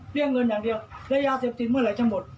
เรียกเงินอย่างเดียวแล้วยาเสพติดเมื่อไหร่จะหมด